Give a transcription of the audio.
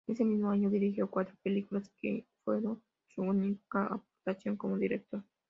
Ese mismo año dirigió cuatro películas que fueron su única aportación como director.